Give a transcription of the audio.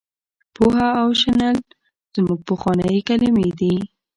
پوهه او شنل زموږ پخوانۍ کلمې دي.